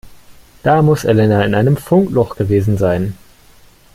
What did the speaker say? Da muss Elena in einem Funkloch gewesen sein.